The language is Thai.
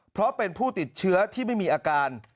เพราะเป็นผู้ติดเชื้อที่ไม่มีอาการ